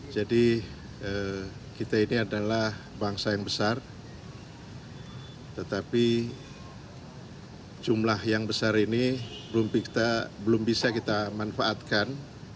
jadi kita ini adalah bangsa yang besar tetapi jumlah yang besar ini belum bisa kita manfaatkan